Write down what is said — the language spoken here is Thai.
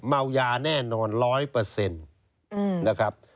เม้ายาแน่นอนร้อยเปอร์เซ็นต์นะครับ